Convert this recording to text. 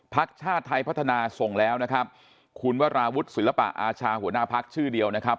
ชาติไทยพัฒนาส่งแล้วนะครับคุณวราวุฒิศิลปะอาชาหัวหน้าพักชื่อเดียวนะครับ